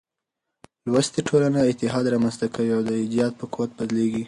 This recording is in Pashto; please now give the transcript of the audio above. لوستې ټولنه اتحاد رامنځ ته کوي او د ايجاد په قوت بدلېږي.